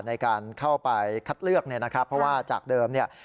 ในการเข้าไปคัดเลือกเพราะว่าจากเดิม